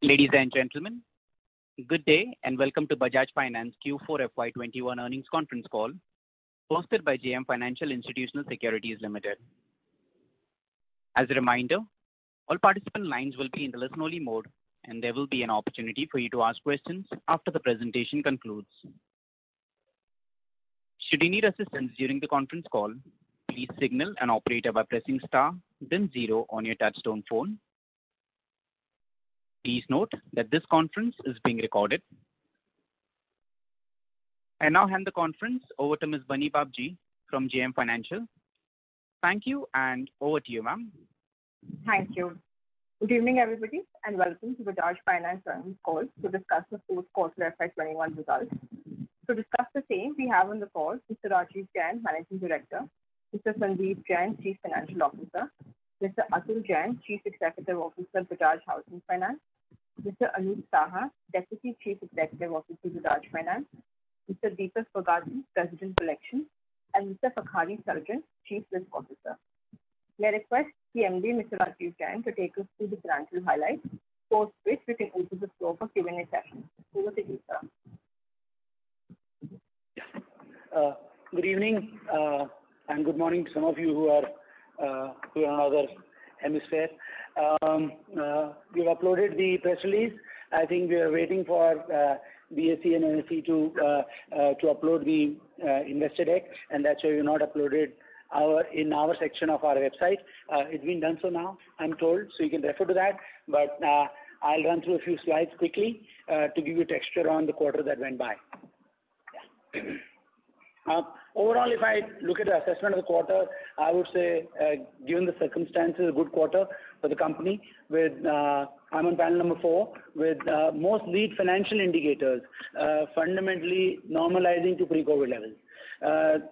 Ladies and gentlemen, good day and welcome to Bajaj Finance Q4 FY 2021 Earnings Conference Call, hosted by JM Financial Institutional Securities Limited. As a reminder, all participant lines will be in listen only mode, and there will be an opportunity for you to ask questions after the presentation concludes. Should you need assistance during the conference call, please signal an operator by pressing star then zero on your touchtone phone. Please note that this conference is being recorded. I now hand the conference over to Ms. Bunny Babjee from JM Financial. Thank you, and over to you, ma'am. Thank you. Good evening, everybody, welcome to Bajaj Finance earnings call to discuss the fourth quarter FY 2021 results. To discuss the same, we have on the call Mr. Rajeev Jain, Managing Director; Mr. Sandeep Jain, Chief Financial Officer; Mr. Atul Jain, Chief Executive Officer of Bajaj Housing Finance; Mr. Anup Saha, Deputy Chief Executive Officer, Bajaj Finance; Mr. Deepak Bagati, President, Collections; and Mr. Fakhri Sarjan, Chief Risk Officer. I request the MD, Mr. Rajeev Jain, to take us through the financial highlights, post which we can open the floor for Q&A session. Over to you, sir. Good evening, good morning to some of you who are in another hemisphere. We've uploaded the press release. I think we are waiting for BSE and NSE to upload the investor deck, and that's why we've not uploaded in our section of our website. It's been done so now, I'm told, so you can refer to that. I'll run through a few slides quickly to give you texture on the quarter that went by. Overall, if I look at the assessment of the quarter, I would say, given the circumstances, a good quarter for the company. I'm on panel number four, with most lead financial indicators fundamentally normalizing to pre-COVID levels.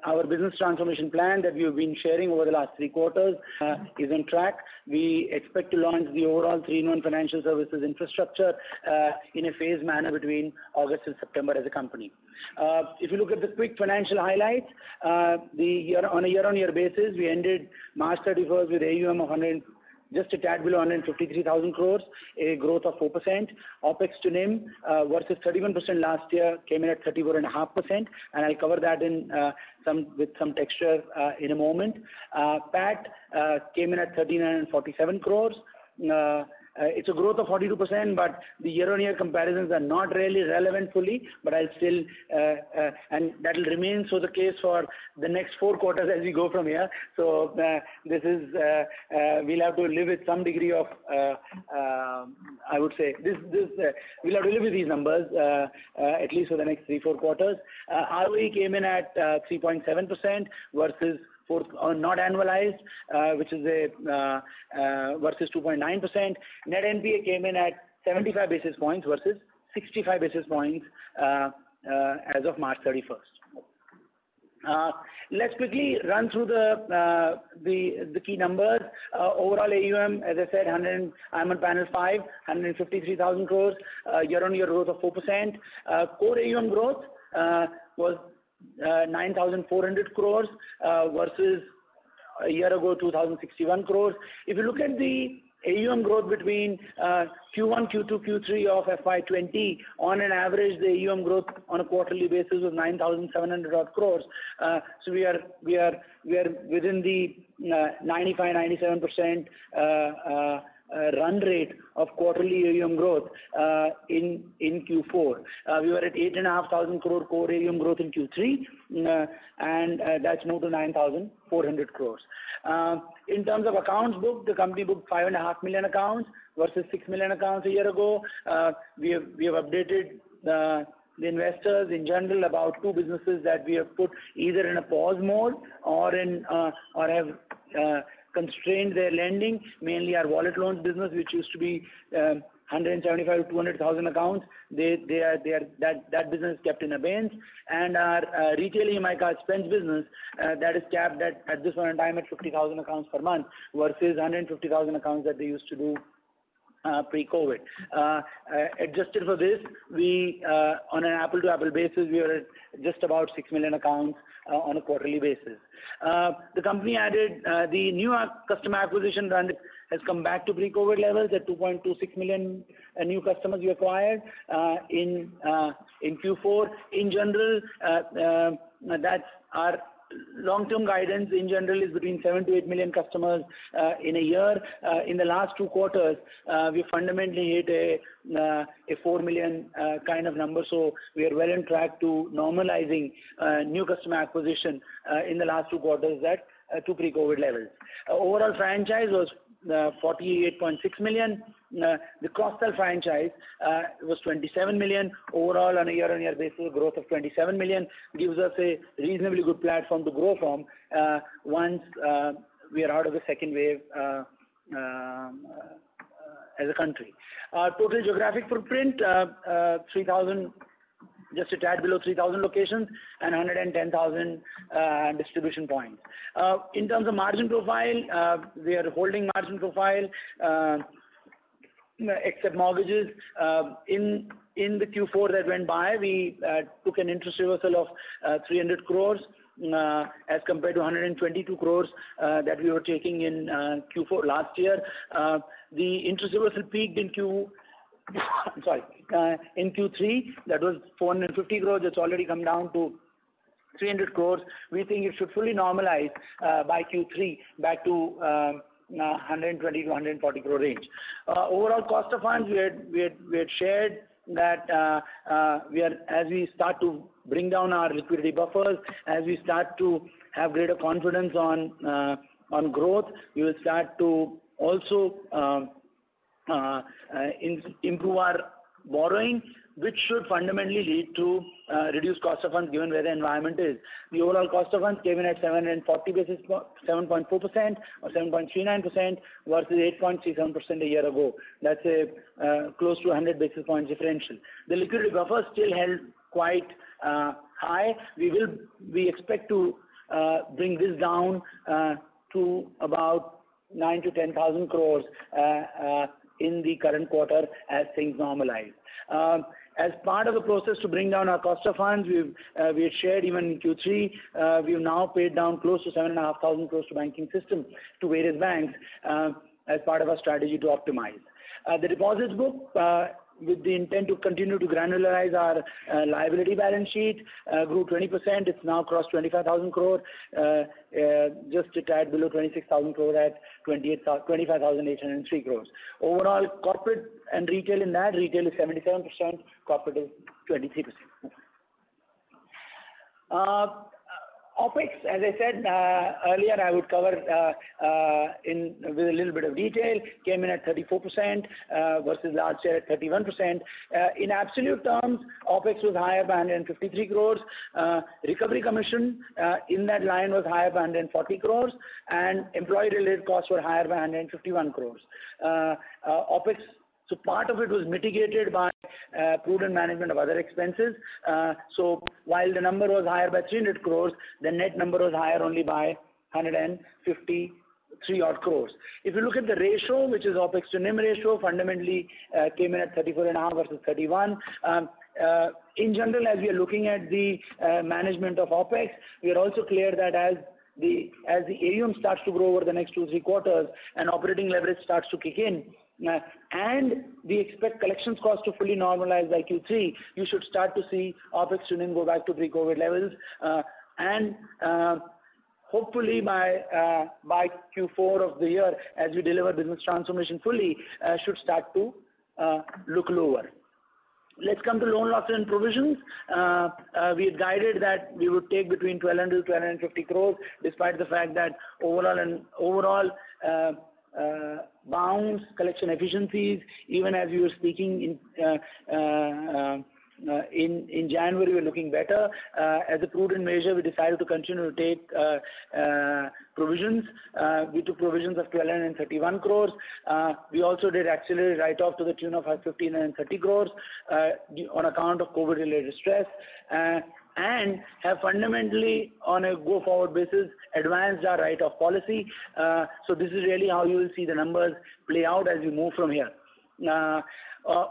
Our business transformation plan that we have been sharing over the last three quarters is on track. We expect to launch the overall three non-financial services infrastructure in a phased manner between August and September as a company. If you look at the quick financial highlights, on a year-on-year basis, we ended March 31st with AUM of just a tad below 153,000 crore, a growth of 4%. OpEx to NIM, versus 31% last year, came in at 34.5%. I'll cover that with some texture in a moment. PAT came in at 3,947 crore. It's a growth of 42%. The year-on-year comparisons are not really relevant fully. That'll remain so the case for the next four quarters as we go from here. We'll have to live with these numbers at least for the next three, four quarters. ROE came in at 3.7% not annualized, versus 2.9%. Net NPA came in at 75 basis points versus 65 basis points as of March 31st. Let's quickly run through the key numbers. Overall AUM, as I said, I'm on panel five, 153,000 crore, year-on-year growth of 4%. Core AUM growth was 9,400 crore versus a year ago, 2,061 crore. If you look at the AUM growth between Q1, Q2, Q3 of FY 2020, on an average, the AUM growth on a quarterly basis was 9,700 odd crore. We are within the 95%, 97% run rate of quarterly AUM growth in Q4. We were at 8,500 crore core AUM growth in Q3 and that's moved to 9,400 crore. In terms of accounts booked, the company booked 5.5 million accounts versus 6 million accounts a year ago. We have updated the investors in general about two businesses that we have put either in a pause mode or have constrained their lending. Mainly our wallet loans business, which used to be 175,000-200,000 accounts. That business is kept in abeyance. Our retail EMI card spends business, that is capped at this point in time at 50,000 accounts per month versus 150,000 accounts that we used to do pre-COVID. Adjusted for this, on an apple-to-apple basis, we are at just about 6 million accounts on a quarterly basis. The new customer acquisition run has come back to pre-COVID levels at 2.26 million new customers we acquired in Q4. Our long-term guidance, in general, is between 7 million-8 million customers in a year. In the last two quarters, we fundamentally hit a 4 million kind of number. We are well on track to normalizing new customer acquisition in the last two quarters to pre-COVID levels. Overall franchise was 48.6 million. The cost of franchise was 27 million. Overall, on a year-on-year basis, growth of 27 million gives us a reasonably good platform to grow from once we are out of the second wave as a country. Our total geographic footprint, just a tad below 3,000 locations and 110,000 distribution points. In terms of margin profile, we are holding margin profile except mortgages. In the Q4 that went by, we took an interest reversal of 300 crore as compared to 122 crore that we were taking in Q4 last year. The interest reversal peaked in Q3. In Q3, that was 450 crore. It's already come down to 300 crore. We think it should fully normalize by Q3 back to 120 crore-140 crore range. Overall cost of funds, we had shared that as we start to bring down our liquidity buffers, as we start to have greater confidence on growth, we will start to also improve our borrowing, which should fundamentally lead to reduced cost of funds given where the environment is. The overall cost of funds came in at 7.4% or 7.39% versus 8.37% a year ago. That's close to 100 basis point differential. The liquidity buffer still held quite high. We expect to bring this down to about 9,000 crore-10,000 crore in the current quarter as things normalize. As part of the process to bring down our cost of funds, we have shared even in Q3, we have now paid down close to 7,500 crore to banking system, to various banks, as part of our strategy to optimize. The deposits book with the intent to continue to granularize our liability balance sheet grew 20%. It's now crossed 25,000 crore. Just a tad below 26,000 crore at 25,803 crore. Overall corporate and retail in that, retail is 77%, corporate is 23%. OpEx, as I said earlier, I would cover with a little bit of detail, came in at 34% versus last year at 31%. In absolute terms, OpEx was higher by 153 crore. Recovery commission in that line was higher by 140 crore and employee-related costs were higher by 151 crore. Part of it was mitigated by prudent management of other expenses. While the number was higher by 300 crore, the net number was higher only by 153 odd crore. If you look at the ratio, which is OpEx to NIM ratio, fundamentally came in at 34.5% versus 31%. In general, as we are looking at the management of OpEx, we are also clear that as the AUM starts to grow over the next two, three quarters and operating leverage starts to kick in, and we expect collections cost to fully normalize by Q3, you should start to see OpEx to NIM go back to pre-COVID levels. Hopefully by Q4 of the year, as we deliver business transformation fully, should start to look lower. Let's come to loan loss and provisions. We had guided that we would take between 1,200 crore-1,250 crore, despite the fact that overall bounds, collection efficiencies, even as we were speaking in January, we're looking better. As a prudent measure, we decided to continue to take provisions. We took provisions of 1,231 crore. We also did accelerated write-off to the tune of 1,530 crore on account of COVID-related stress. Have fundamentally, on a go-forward basis, advanced our write-off policy. This is really how you will see the numbers play out as we move from here.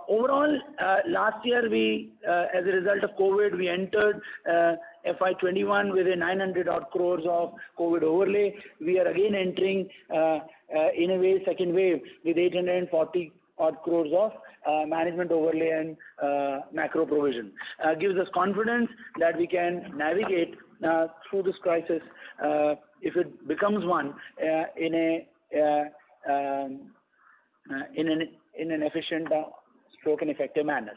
Overall, last year as a result of COVID, we entered FY 2021 with an 900 crore of COVID overlay. We are again entering, in a way, second wave with 840 crore of management overlay and macro provision. This gives us confidence that we can navigate through this crisis, if it becomes one, in an efficient stroke and effective manner.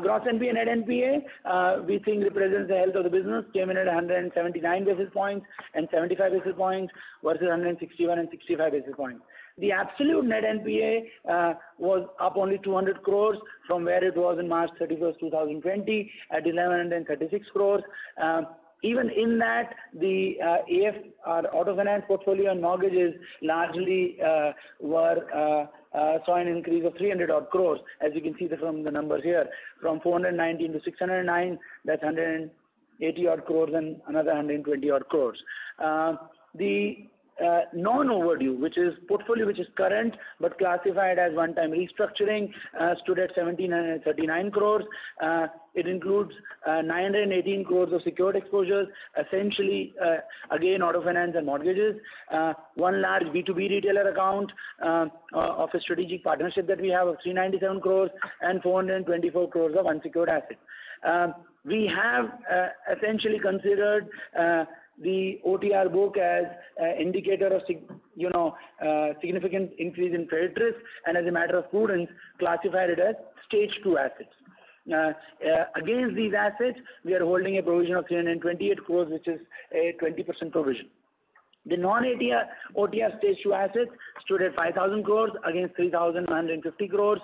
Gross NPA, net NPA, we think represents the health of the business, came in at 179 basis points and 75 basis points versus 161 and 65 basis points. The absolute net NPA was up only 200 crores from where it was on March 31st, 2020, at 1,136 crores. In that, the AF, our auto finance portfolio and mortgages largely saw an increase of 300 odd crores. As you can see from the numbers here, from 490-609, that's 180 odd crores and another 120 odd crores. The non-overdue, which is portfolio which is current but classified as one-time restructuring, stood at 1,739 crores. It includes 918 crores of secured exposures, essentially, again, auto finance and mortgages. One large B2B retailer account of a strategic partnership that we have of 397 crores and 424 crores of unsecured assets. We have essentially considered the OTR book as indicator of significant increase in credit risk and as a matter of prudence, classified it as stage II assets. Against these assets, we are holding a provision of 328 crores, which is a 20% provision. The non-OTR stage II assets stood at 5,000 crores against 3,950 crores.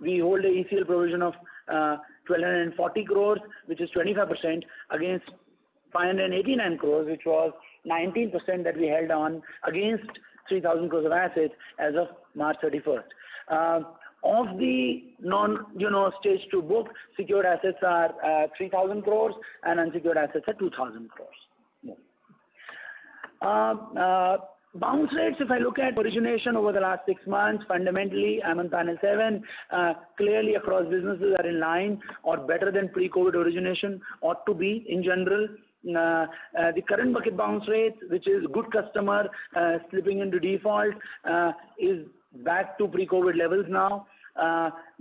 We hold a ECL provision of 1,240 crores, which is 25% against 589 crores, which was 19% that we held on against 3,000 crores of assets as of March 31st. Of the non-stage II book, secured assets are 3,000 crores and unsecured assets are 2,000 crores. Bounce rates, if I look at origination over the last six months, fundamentally, I'm on panel seven, clearly across businesses are in line or better than pre-COVID origination ought to be in general. The current bucket bounce rate, which is good customer slipping into default, is back to pre-COVID levels now.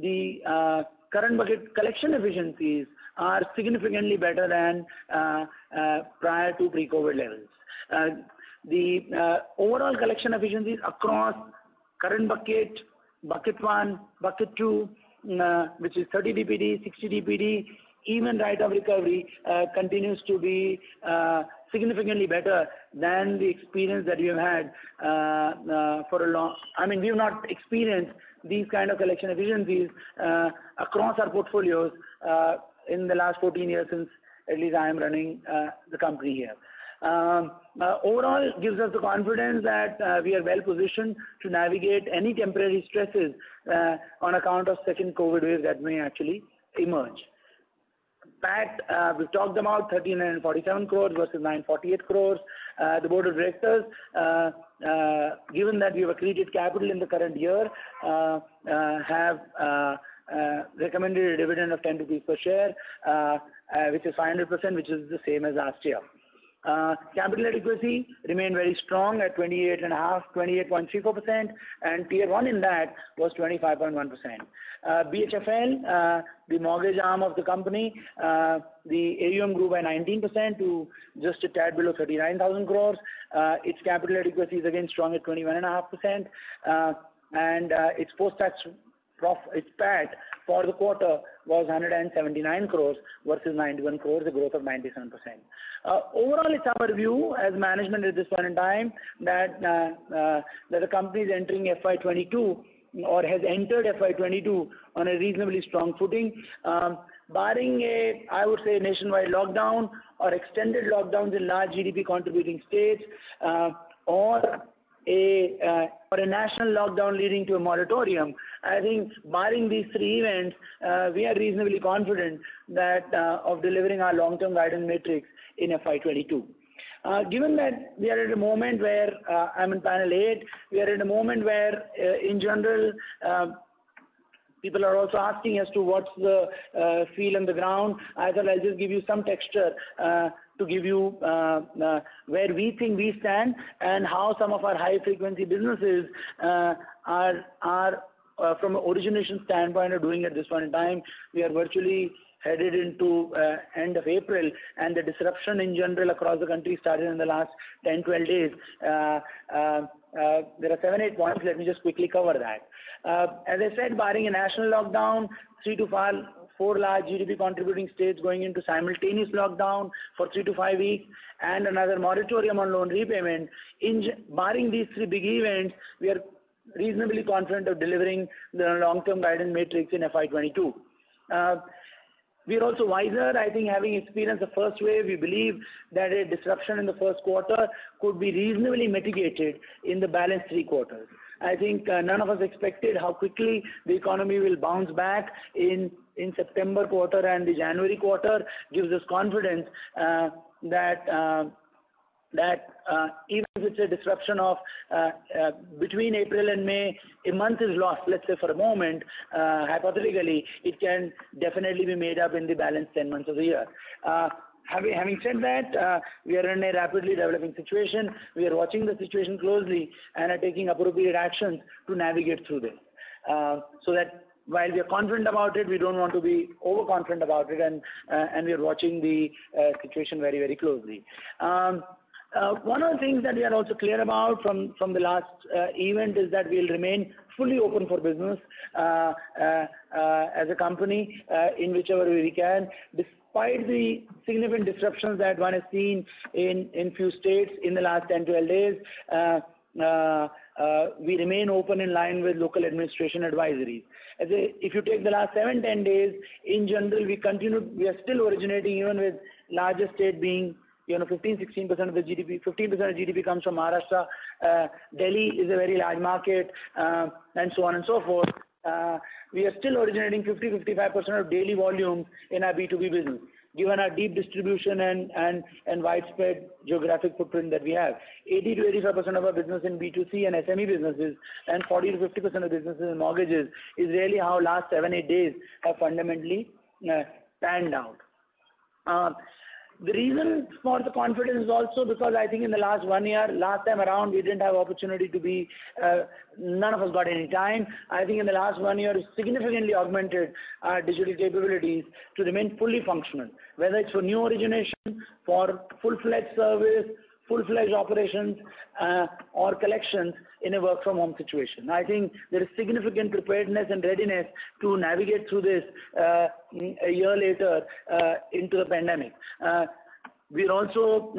The current bucket collection efficiencies are significantly better than prior to pre-COVID levels. The overall collection efficiencies across current bucket I, bucket II, which is 30 DPD, 60 DPD, even right of recovery, continues to be significantly better than the experience that we have had. We've not experienced these kind of collection efficiencies across our portfolios in the last 14 years since at least I am running the company here. Overall, gives us the confidence that we are well-positioned to navigate any temporary stresses on account of second COVID wave that may actually emerge. PAT, we've talked about 1,347 crores versus 948 crores. The board of directors given that we have accreted capital in the current year, have recommended a dividend of 10 rupees per share which is 500%, which is the same as last year. Capital adequacy remained very strong at 28.5%, 28.34%, and Tier I in that was 25.1%. BHFL, the mortgage arm of the company, the AUM grew by 19% to just a tad below 39,000 crore. Its capital adequacy is again strong at 21.5%, and its PAT for the quarter was 179 crore versus 91 crore, a growth of 97%. Overall, it's our view as management at this point in time that the company is entering FY 2022 or has entered FY 2022 on a reasonably strong footing. Barring a nationwide lockdown or extended lockdowns in large GDP-contributing states or a national lockdown leading to a moratorium. I think barring these three events, we are reasonably confident of delivering our long-term guidance metrics in FY 2022. Given that we are at a moment where, I'm in panel eight, in general, people are also asking as to what's the feel on the ground. I thought I'll just give you some texture to give you where we think we stand and how some of our high-frequency businesses from an origination standpoint, are doing at this point in time. We are virtually headed into end of April, and the disruption in general across the country started in the last 10, 12 days. There are seven, eight points. Let me just quickly cover that. As I said, barring a national lockdown, three to four large GDP-contributing states going into simultaneous lockdown for three to five weeks, and another moratorium on loan repayment. Barring these three big events, we are reasonably confident of delivering the long-term guidance metrics in FY 2022. We are also wiser. I think having experienced the first wave, we believe that a disruption in the first quarter could be reasonably mitigated in the balance three quarters. I think none of us expected how quickly the economy will bounce back in September quarter and the January quarter gives us confidence that even if it's a disruption between April and May, a month is lost, let's say, for a moment, hypothetically, it can definitely be made up in the balance 10 months of the year. Having said that, we are in a rapidly developing situation. We are watching the situation closely and are taking appropriate actions to navigate through this. While we are confident about it, we don't want to be overconfident about it and we are watching the situation very closely. One of the things that we are also clear about from the last event is that we'll remain fully open for business as a company in whichever way we can. Despite the significant disruptions that one has seen in few states in the last 10, 12 days, we remain open in line with local administration advisories. If you take the last seven, 10 days, in general, we are still originating even with larger state being 15%, 16% of the GDP. 15% of GDP comes from Maharashtra, Delhi is a very large market, and so on and so forth. We are still originating 50%, 55% of daily volume in our B2B business given our deep distribution and widespread geographic footprint that we have. 80%-85% of our business in B2C and SME businesses and 40%-50% of businesses in mortgages is really how last seven, eight days have fundamentally panned out. The reason for the confidence is also because I think in the last one year, last time around. None of us got any time. I think in the last one year, we significantly augmented our digital capabilities to remain fully functional, whether it's for new origination, for full-fledged service, full-fledged operations or collections in a work-from-home situation. I think there is significant preparedness and readiness to navigate through this a year later into the pandemic. We are also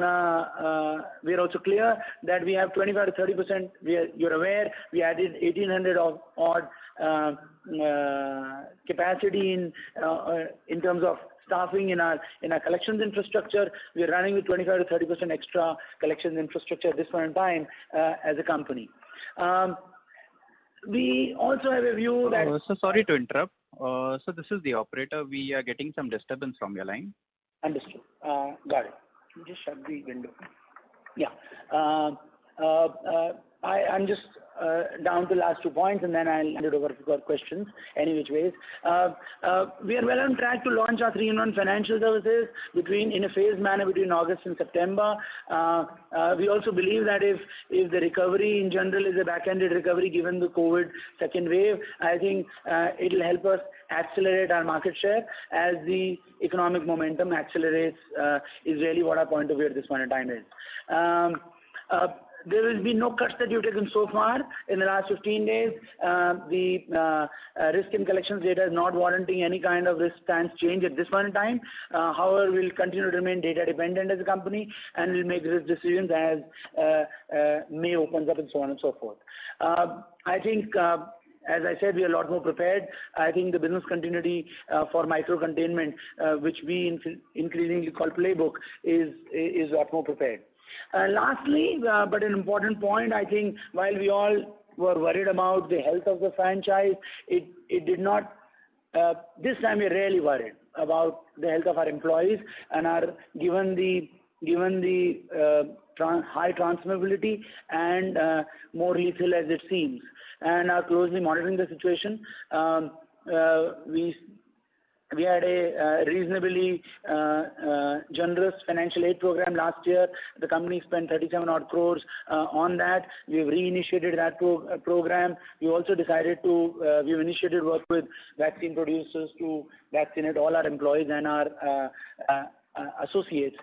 clear that we have 25%-30%, you're aware, we added 1,800 odd capacity in terms of staffing in our collections infrastructure. We are running with 25%-30% extra collections infrastructure at this point in time as a company. Sir, sorry to interrupt. Sir, this is the operator. We are getting some disturbance from your line. Understood. Got it. Let me just shut the window. Yeah. I'm just down to the last two points, then I'll hand it over for questions any which ways. We are well on track to launch our 3-in-1 financial services in a phased manner between August and September. We also believe that if the recovery in general is a back-ended recovery, given the COVID second wave, I think it'll help us accelerate our market share as the economic momentum accelerates, is really what our point of view at this point in time is. There has been no cuts that we have taken so far. In the last 15 days, the risk and collections data is not warranting any kind of risk plans change at this point in time. We'll continue to remain data dependent as a company, and we'll make risk decisions as May opens up and so on and so forth. As I said, we are a lot more prepared. The business continuity for micro containment, which we increasingly call Playbook, is a lot more prepared. Lastly, but an important point, while we all were worried about the health of the franchise, this time we're really worried about the health of our employees and are given the high transmissibility and more lethal as it seems and are closely monitoring the situation. We had a reasonably generous financial aid program last year. The company spent 37 odd crores on that. We've reinitiated that program. We've initiated work with vaccine producers to vaccinate all our employees and our associates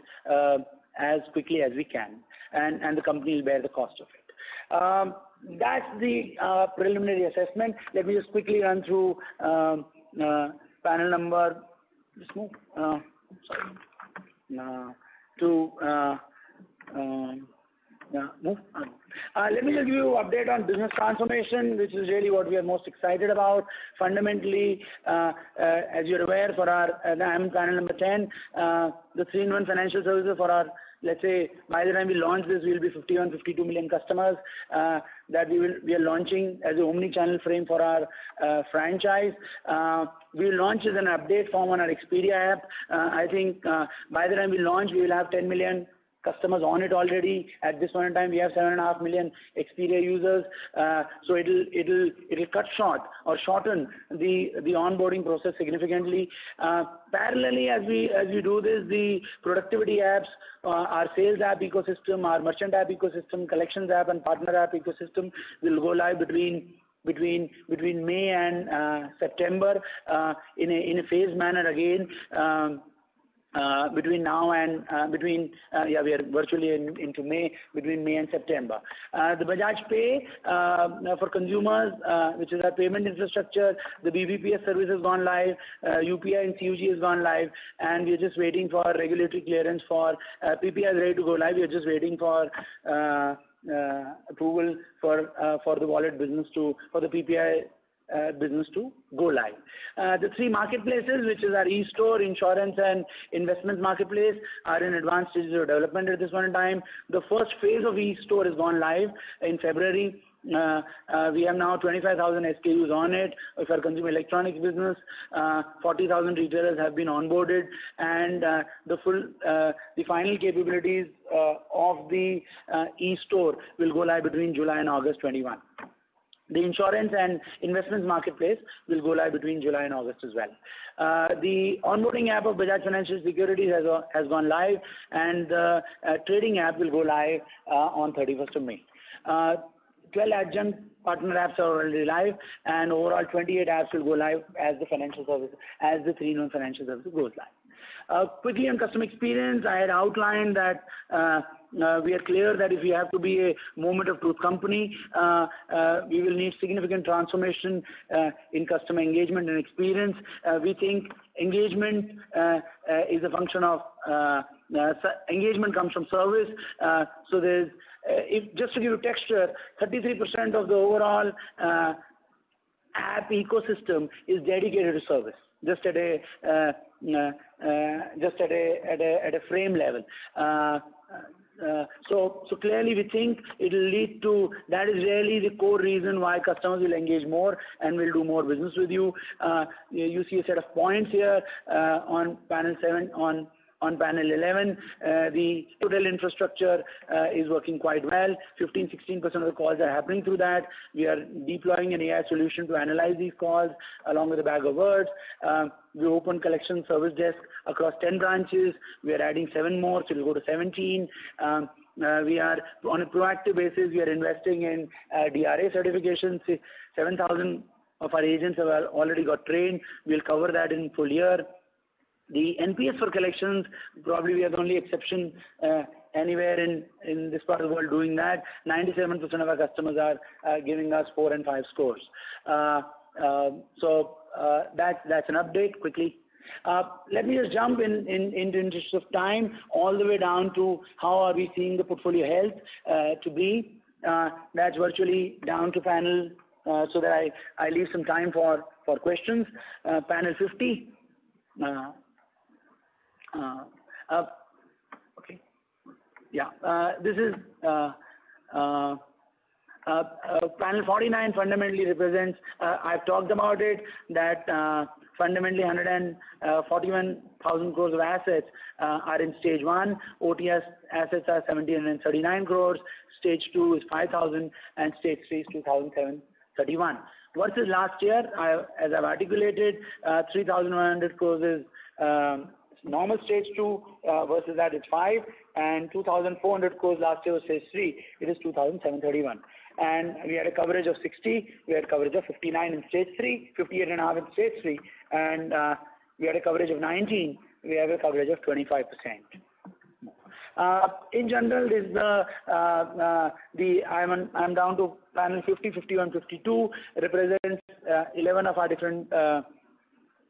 as quickly as we can, and the company will bear the cost of it. That's the preliminary assessment. Let me just quickly run through panel number. Let me just give you update on business transformation, which is really what we are most excited about. Fundamentally, as you're aware, I'm in panel number 10. The 3-in-1 financial services for our, let's say, by the time we launch this, we'll be 51 million, 52 million customers, that we are launching as an omnichannel frame for our franchise. We'll launch as an update form on our Experia app. I think by the time we launch, we will have 10 million customers on it already. At this point in time, we have 7.5 million Experia users. It'll cut short or shorten the onboarding process significantly. Parallelly, as we do this, the productivity apps, our sales app ecosystem, our merchant app ecosystem, collections app, and partner app ecosystem will go live between May and September in a phased manner again between now and yeah, we are virtually into May, between May and September. The Bajaj Pay for consumers, which is our payment infrastructure, the BBPS service has gone live, UPI in CUG has gone live, and we are just waiting for regulatory clearance for PPI is ready to go live. We are just waiting for approval for the PPI business to go live. The three marketplaces, which is our e-store, insurance, and investment marketplace, are in advanced stages of development at this point in time. The first phase of e-store has gone live in February. We have now 25,000 SKUs on it for our consumer electronics business. 40,000 retailers have been onboarded. The final capabilities of the e-store will go live between July and August 2021. The insurance and investments marketplace will go live between July and August as well. The onboarding app of Bajaj Financial Securities has gone live. Trading app will go live on 31st of May. 12 adjunct partner apps are already live. Overall, 28 apps will go live as the 3-in-1 financial service goes live. Quickly on customer experience, I had outlined that we are clear that if we have to be a moment of truth company, we will need significant transformation in customer engagement and experience. We think engagement comes from service. Just to give you texture, 33% of the overall app ecosystem is dedicated to service, just at a frame level. Clearly, we think it'll lead to. That is really the core reason why customers will engage more and will do more business with you. You see a set of points here on panel 11. The total infrastructure is working quite well. 15%, 16% of the calls are happening through that. We are deploying an AI solution to analyze these calls along with a bag of words. We opened collection service desk across 10 branches. We are adding seven more, so it'll go to 17. On a proactive basis, we are investing in DRA certifications. 7,000 of our agents have already got trained. We'll cover that in full year. The NPA for collections, probably we are the only exception anywhere in this part of the world doing that. 97% of our customers are giving us four and five scores. That's an update quickly. Let me just jump in the interest of time, all the way down to how are we seeing the portfolio health to be. That's virtually down to panel so that I leave some time for questions. Panel 50. Yeah. Panel 49 fundamentally represents, I've talked about it, that fundamentally 141,000 crore of assets are in stage I. OTR assets are 1,739 crore. Stage II is 5,000 and stage III is 2,731. Versus last year, as I've articulated, 3,100 crore is normal stage II versus that it's 5 and 2,400 crore last year was stage III. It is 2,731. We had a coverage of 60%, we had coverage of 59% in stage III, 58.5% in stage III and we had a coverage of 19%. We have a coverage of 25%. In general, I'm down to Panel 50, 51, 52 represents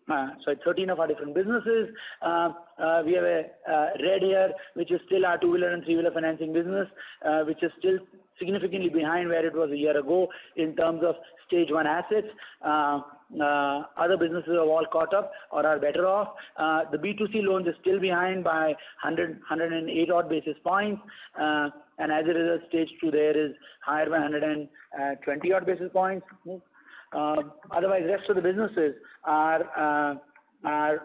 13 of our different businesses. We have a red here, which is still our two-wheeler and three-wheeler financing business, which is still significantly behind where it was a year ago in terms of stage I assets. Other businesses are all caught up or are better off. The B2C loans are still behind by 108 odd basis points. As a result, stage II there is higher by 120 odd basis points. Otherwise, rest of the businesses are back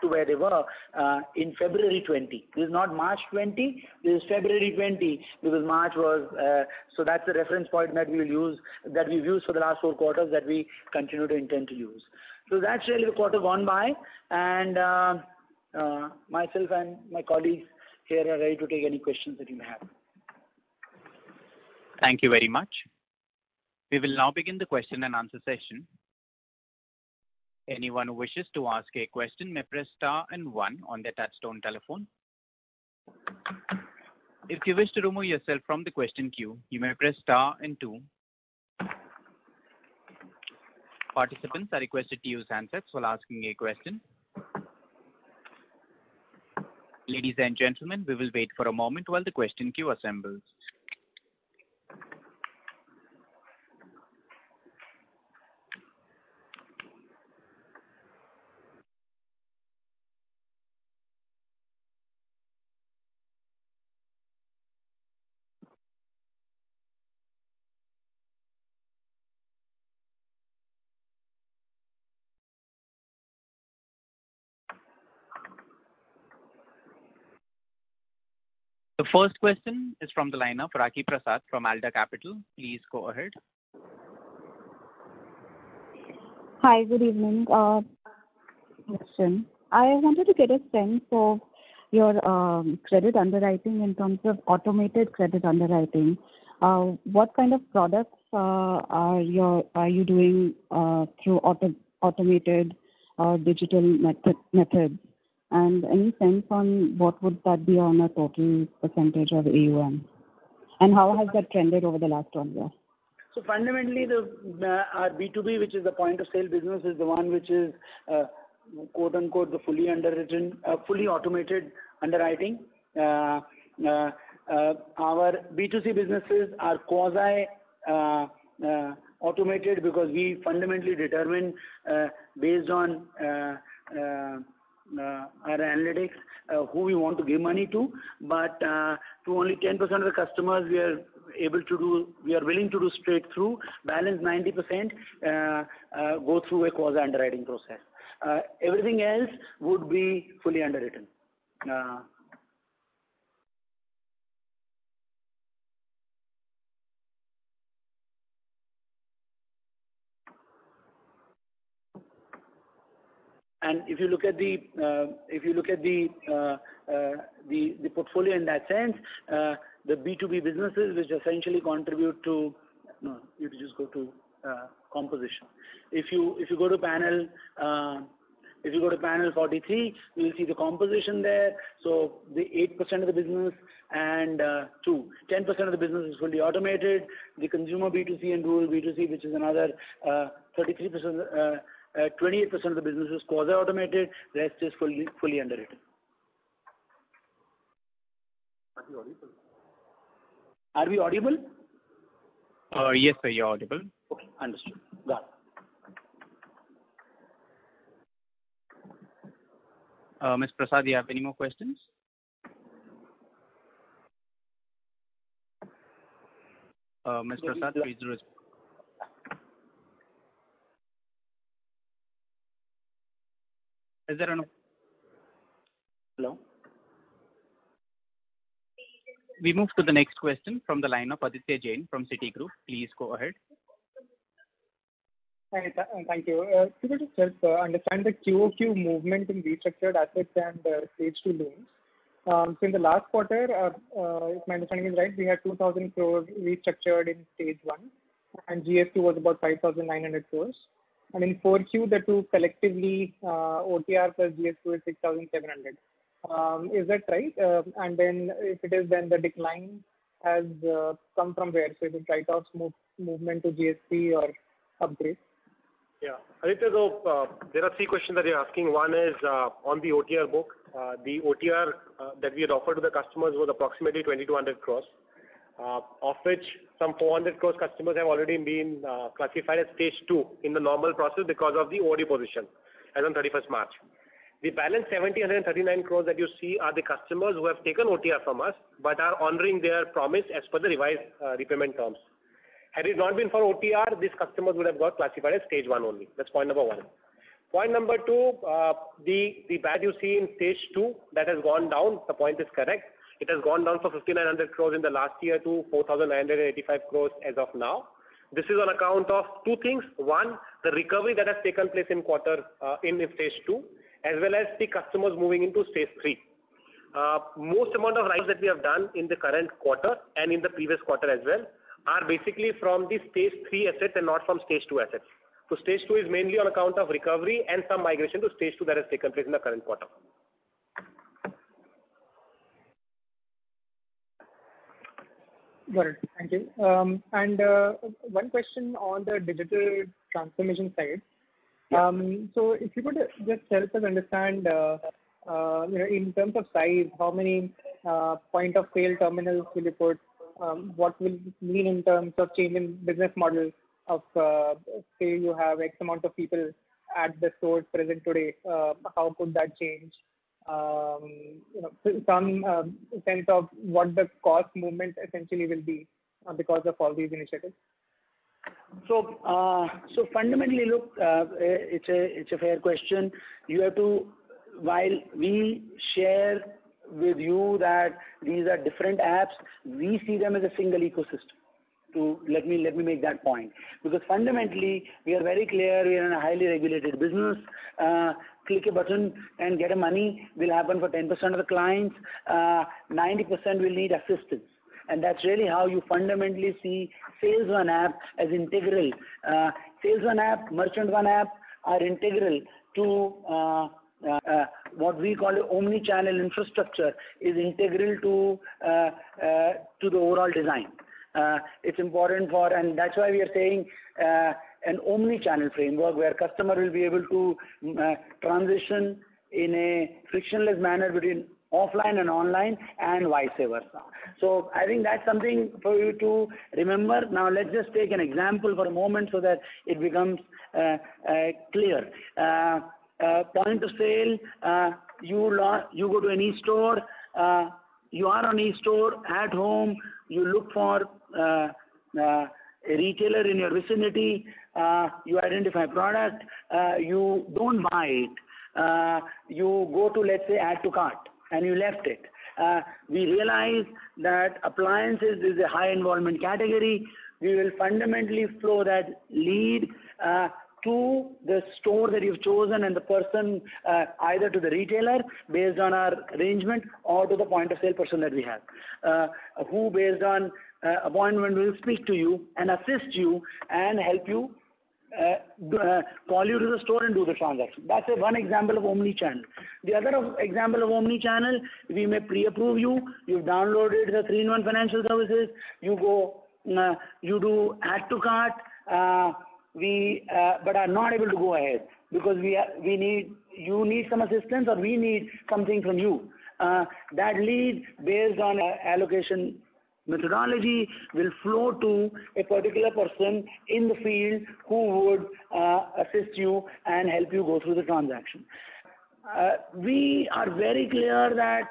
to where they were in February 2020. This is not March 2020, this is February 2020 because March was That's the reference point that we've used for the last four quarters that we continue to intend to use. That's really quarter gone by and myself and my colleagues here are ready to take any questions that you may have. Thank you very much. We will now begin the question-and-answer session. The first question is from the line of Rakhi Prasad from Alder Capital. Please go ahead. Hi, good evening. I wanted to get a sense of your credit underwriting in terms of automated credit underwriting. What kind of products are you doing through automated digital methods? Any sense on what would that be on a total percentage of AUM? How has that trended over the last 12 months? Fundamentally, our B2B, which is the point-of-sale business, is the one which is the fully automated underwriting. Our B2C businesses are quasi-automated because we fundamentally determine, based on our analytics, who we want to give money to. To only 10% of the customers we are willing to do straight through. Balance 90% go through a quasi-underwriting process. Everything else would be fully underwritten. If you look at the portfolio in that sense, the B2B businesses, which essentially contribute to No, you just go to composition. If you go to panel 43, you will see the composition there. The 8% of the business. 10% of the business is fully automated. The consumer B2C and rural B2C, which is another 28% of the business is quasi-automated, the rest is fully underwritten. Are we audible? Yes, sir, you are audible. Okay, understood. Got it. Ms. Prasad, do you have any more questions? Ms. Prasad. Is there any. Hello? We move to the next question from the line of Aditya Jain from Citigroup. Please go ahead. Thank you. Could you just help understand the QoQ movement in restructured assets and stage II loans? Since the last quarter, if my understanding is right, we had 2,000 crores restructured in stage I, and GST was about 5,900 crores. In 4Q, the two collectively, OTR plus GST was 6,700. Is that right? If it is, then the decline has come from where? The write-offs movement to GST or upgrades? Yeah. Aditya, there are three questions that you're asking. One is, on the OTR book. The OTR that we had offered to the customers was approximately 2,200 crores. Of which some 400 crores customers have already been classified as stage II in the normal process because of the OD position as on 31st March. The balance 1,739 crores that you see are the customers who have taken OTR from us but are honoring their promise as per the revised repayment terms. Had it not been for OTR, these customers would have got classified as stage I only. That's point number one. Point number two, the bad you see in stage II that has gone down, the point is correct. It has gone down from 5,900 crores in the last year to 4,985 crores as of now. This is on account of two things. One, the recovery that has taken place in stage II, as well as the customers moving into stage III. Most amount of rise that we have done in the current quarter and in the previous quarter as well are basically from the stage III assets and not from stage II assets. Stage II is mainly on account of recovery and some migration to stage II that has taken place in the current quarter. Got it. Thank you. One question on the digital transformation side. Yeah. If you could just help us understand, in terms of size, how many point of sale terminals will you put? What will it mean in terms of change in business model of, say, you have ex amount of people at the store present today, how could that change? Some sense of what the cost movement essentially will be because of all these initiatives? Fundamentally, look, it's a fair question. While we share with you that these are different apps, we see them as a single ecosystem. Let me make that point. Fundamentally, we are very clear we are in a highly regulated business. Click a button and get money will happen for 10% of the clients, 90% will need assistance. That's really how you fundamentally see SalesOne app as integral. SalesOne app, Merchant One app are integral to what we call omnichannel infrastructure, is integral to the overall design. It's important and that's why we are saying an omnichannel framework where customer will be able to transition in a frictionless manner between offline and online and vice versa. I think that's something for you to remember. Let's just take an example for a moment so that it becomes clear. Point of sale, you go to an e-store, you are on e-store at home, you look for a retailer in your vicinity, you identify a product, you don't buy it. You go to, let's say, add to cart, and you left it. We realize that appliances is a high involvement category. We will fundamentally flow that lead to the store that you've chosen and the person, either to the retailer based on our arrangement or to the point of sale person that we have, who based on appointment will speak to you and assist you and help you, call you to the store and do the transaction. That's one example of omnichannel. The other example of omnichannel, we may pre-approve you've downloaded the 3-in-1 financial services. You do add to cart, are not able to go ahead because you need some assistance, or we need something from you. That lead based on allocation methodology will flow to a particular person in the field who would assist you and help you go through the transaction. We are very clear that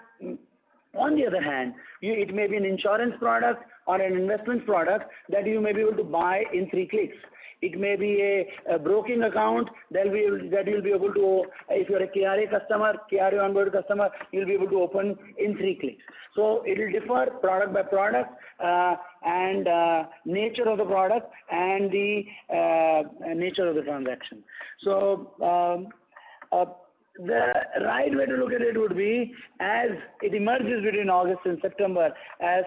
on the other hand, it may be an insurance product or an investment product that you may be able to buy in three clicks. It may be a broking account that you'll be able to, if you're a KRA customer, KRA onboard customer, you'll be able to open in three clicks. It will differ product by product, and nature of the product and the nature of the transaction. The right way to look at it would be as it emerges between August and September, as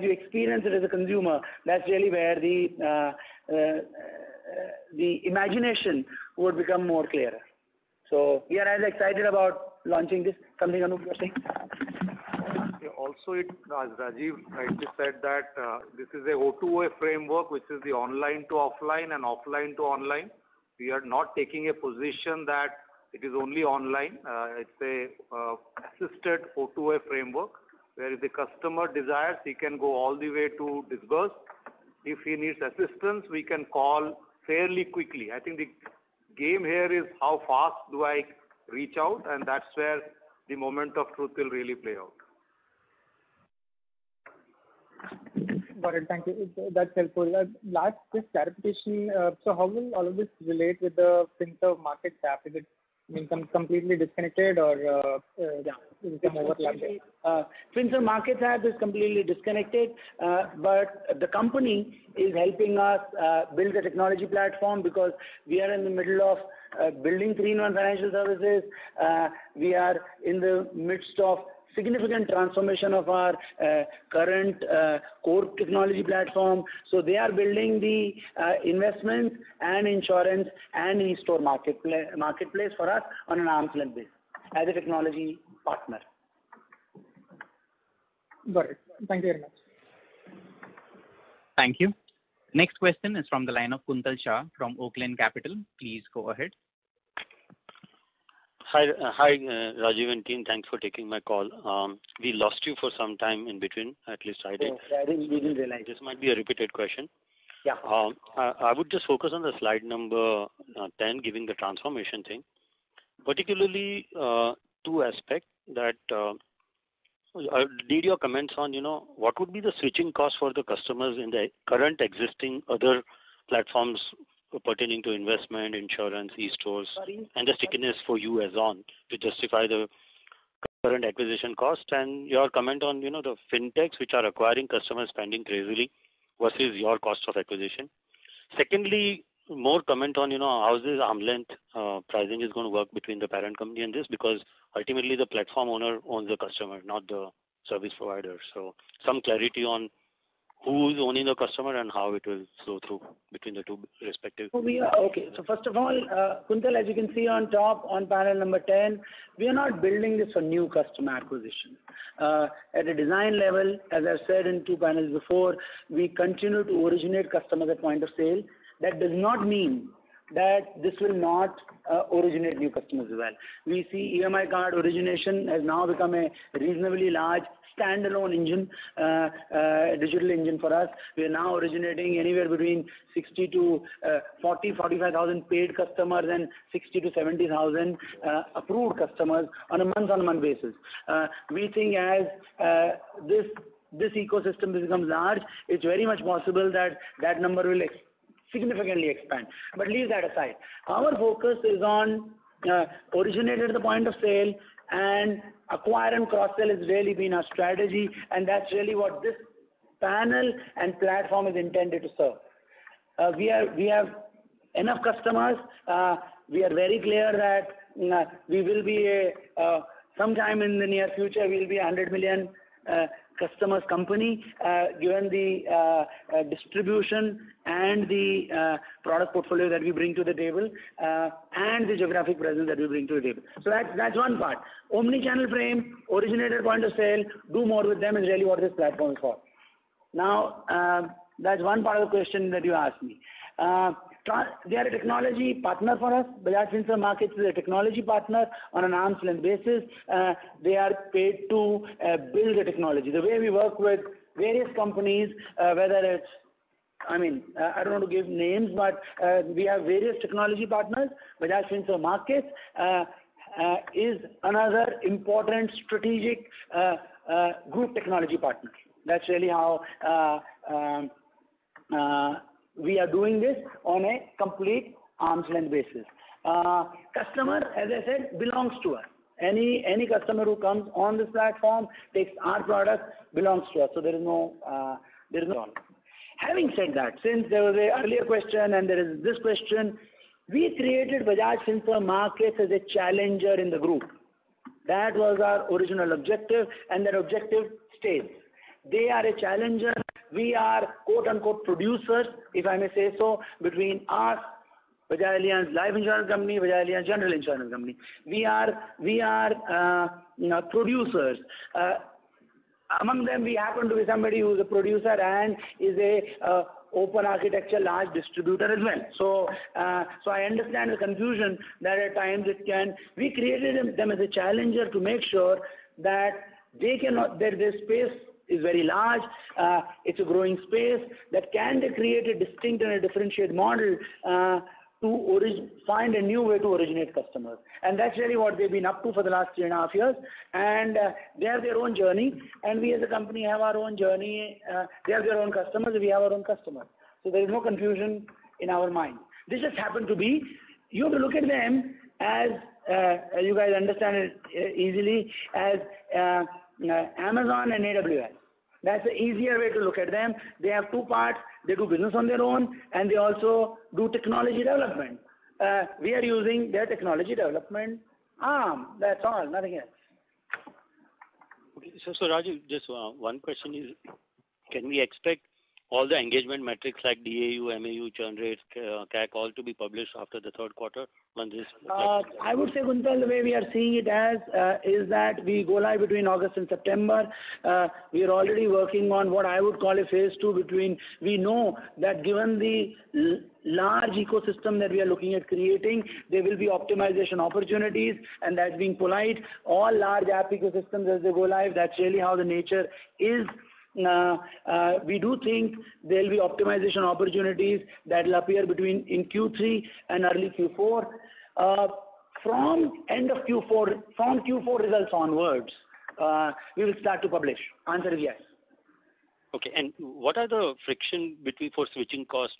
you experience it as a consumer, that's really where the imagination would become more clearer. We are as excited about launching this. Something Anup you were saying? As Rajeev rightly said that this is an O2O framework, which is the online to offline and offline to online. We are not taking a position that it is only online. It's an assisted O2O framework, where if the customer desires, he can go all the way to disburse. If he needs assistance, we can call fairly quickly. I think the game here is how fast do I reach out, and that's where the moment of truth will really play out. Got it. Thank you. That's helpful. Last, just clarification. How will all of this relate with the Finserv Markets app? Is it completely disconnected or, yeah? You can overlap it. Finserv Markets app is completely disconnected, the company is helping us build a technology platform because we are in the middle of building 3-in-1 financial services. We are in the midst of significant transformation of our current core technology platform. They are building the investment and insurance and e-store marketplace for us on an arms-length basis as a technology partner. Got it. Thank you very much. Thank you. Next question is from the line of Kuntal Shah from Oaklane Capital. Please go ahead. Hi, Rajeev and team. Thanks for taking my call. We lost you for some time in between, at least I did. Oh, sorry. We didn't realize. This might be a repeated question. Yeah. I would just focus on the slide number 10, giving the transformation thing. Particularly, two aspects that I would need your comments on what would be the switching cost for the customers in the current existing other platforms pertaining to investment, insurance, e-stores, and the stickiness for you as on to justify the current acquisition cost, and your comment on the Fintechs, which are acquiring customers spending crazily versus your cost of acquisition. Secondly, more comment on how this arm's length pricing is going to work between the parent company and this, because ultimately the platform owner owns the customer, not the service provider. Some clarity on who is owning the customer and how it will flow through between the two respective. Okay. First of all, Kuntal, as you can see on top, on panel number 10, we are not building this for new customer acquisition. At a design level, as I've said in two panels before, we continue to originate customers at point of sale. That does not mean that this will not originate new customers as well. We see EMI card origination has now become a reasonably large standalone engine, digital engine for us. We are now originating anywhere between 40,000, 45,000 paid customers and 60,000-70,000 approved customers on a month-on-month basis. We think as this ecosystem becomes large, it's very much possible that that number will significantly expand. Leave that aside. Our focus is on originate at the point of sale and acquire and cross-sell has really been our strategy, that's really what this panel and platform is intended to serve. We have enough customers. We are very clear that, sometime in the near future, we'll be 100 million customers company, given the distribution and the product portfolio that we bring to the table, and the geographic presence that we bring to the table. That's one part. Omnichannel frame, originate at point of sale, do more with them is really what this platform is for. That's one part of the question that you asked me. They are a technology partner for us. Bajaj Finserv markets is a technology partner on an arm's length basis. They are paid to build the technology. The way we work with various companies, we have various technology partners. Bajaj Finserv markets is another important strategic group technology partner. That's really how we are doing this on a complete arm's length basis. Customer, as I said, belongs to us. Any customer who comes on this platform takes our product, belongs to us, so there is no. Okay. Having said that, since there was an earlier question and there is this question, we created Bajaj Finserv markets as a challenger in the group. That was our original objective, and that objective stays. They are a challenger. We are "producers," if I may say so, between us, Bajaj Allianz Life Insurance Company, Bajaj Allianz General Insurance Company. We are producers. Among them, we happen to be somebody who's a producer and is an open architecture large distributor as well. I understand the confusion that at times. We created them as a challenger to make sure that their space is very large, it's a growing space that can create a distinct and a differentiated model to find a new way to originate customers. That's really what they've been up to for the last three and a half years, and they have their own journey, and we as a company have our own journey. They have their own customers, we have our own customers. There's no confusion in our mind. This just happened to be. You have to look at them as, you guys understand it easily, as Amazon and AWS. That's the easier way to look at them. They have two parts. They do business on their own, and they also do technology development. We are using their technology development arm. That's all. Nothing else. Okay. Rajeev, just one question is, can we expect all the engagement metrics like DAU, MAU, churn rate, CAC, all to be published after the third quarter when this. I would say, Kuntal, the way we are seeing it as is that we go live between August and September. We are already working on what I would call a phase II. We know that given the large ecosystem that we are looking at creating, there will be optimization opportunities, and that's being polite. All large app ecosystems, as they go live, that's really how the nature is. We do think there will be optimization opportunities that will appear in Q3 and early Q4. From Q4 results onwards, we will start to publish. Answer is yes. Okay. What are the friction for switching costs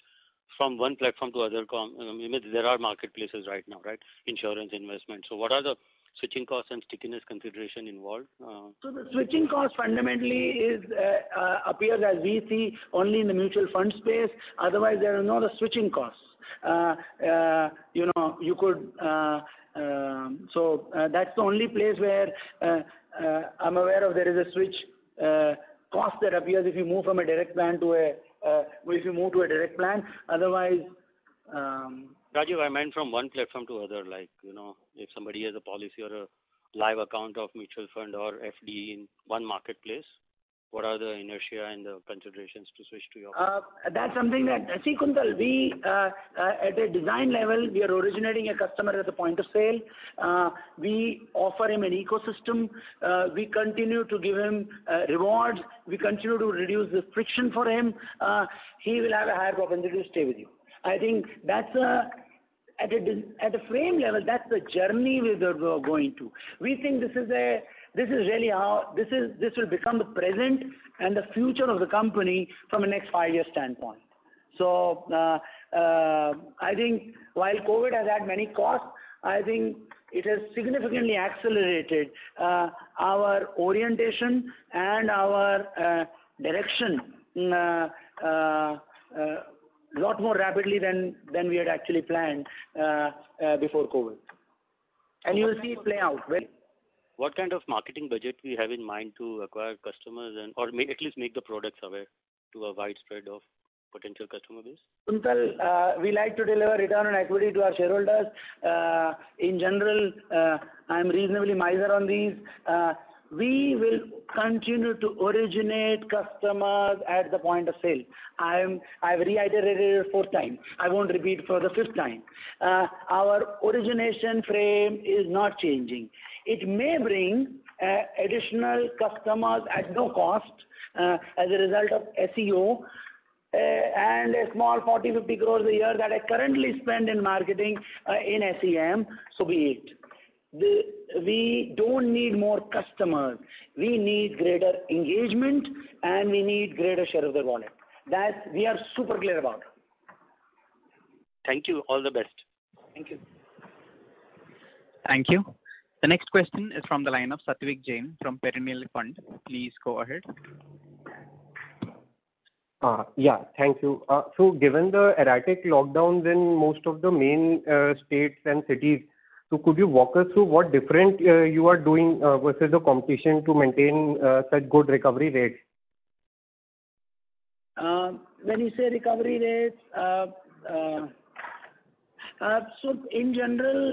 from one platform to other? I mean, there are marketplaces right now, right? Insurance, investment. What are the switching costs and stickiness consideration involved? The switching cost fundamentally appears as we see only in the mutual fund space, otherwise there are no other switching costs. That's the only place where I'm aware of there is a switch cost that appears if you move to a direct plan. Rajeev, I meant from one platform to other, like if somebody has a policy or a live account of mutual fund or FD in one marketplace. What are the inertia and the considerations to switch to you? That's something that Kuntal, at a design level, we are originating a customer at the point of sale. We offer him an ecosystem. We continue to give him rewards. We continue to reduce this friction for him. He will have a higher probability to stay with you. I think at a frame level, that's the journey we are going to. We think this will become the present and the future of the company from a next five-year standpoint. I think while COVID has had many costs, I think it has significantly accelerated our orientation and our direction a lot more rapidly than we had actually planned before COVID. You will see it play out well. What kind of marketing budget we have in mind to acquire customers or at least make the product aware to a widespread of potential customer base? Kuntal, we like to deliver return on equity to our shareholders. In general, I'm reasonably miser on these. We will continue to originate customers at the point of sale. I've reiterated it a fourth time. I won't repeat for the fifth time. Our origination frame is not changing. It may bring additional customers at no cost as a result of SEO and a small 40 crore, 50 crore a year that I currently spend in marketing in SEM so be it. We don't need more customers. We need greater engagement, and we need greater share of the wallet. That, we are super clear about. Thank you. All the best. Thank you. Thank you. The next question is from the line of Satwik Jain from Perennial Fund. Please go ahead. Yeah. Thank you. Given the erratic lockdowns in most of the main states and cities, could you walk us through what different you are doing versus the competition to maintain such good recovery rates? When you say recovery rates, in general,